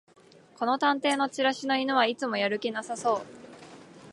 この探偵のチラシの犬はいつもやる気なさそう